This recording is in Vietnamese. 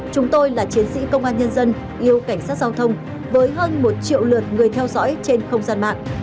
chúng tôi là chiến sĩ công an nhân dân yêu cảnh sát giao thông với hơn một triệu lượt người theo dõi trên không gian mạng